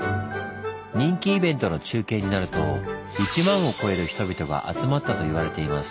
人気イベントの中継になると１万を超える人々が集まったと言われています。